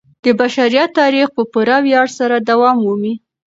د بشریت تاریخ به په پوره ویاړ سره دوام ومومي.